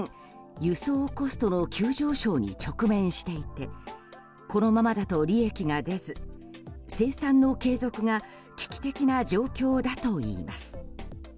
・輸送コストの急上昇に直面していてこのままだと利益が出ず生産の継続が危機的な状況だといいます。